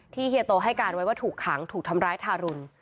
เฮียโตให้การไว้ว่าถูกขังถูกทำร้ายทารุณ